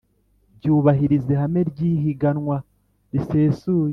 Byubahiriza ihame ry’ihiganwa risesuye